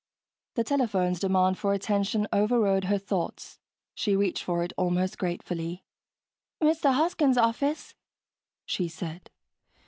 The telephone's demand for attention overrode her thoughts. She reached for it almost gratefully. "Mr. Hoskins' office," she said.